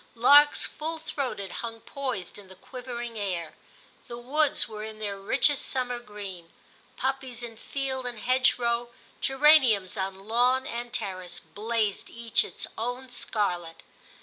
Larks full throated hung poised in the quivering air, the woods were in their richest summer green ; poppies in field and hedgerow, geraniums on lawn and terrace, blazed each its own scarlet.